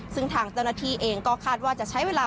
ซึ่งทางเจ้าหน้าที่เองก็คาดว่าจะใช้เวลา